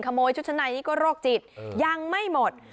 ขโมยชุดชะไนนี่ก็โรคจิตยังไม่หมด